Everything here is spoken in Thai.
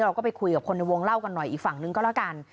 เราก็ไปคุยกับคนในวงเล่ากันหน่อยอีกฝั่งนึงก็แล้วกัน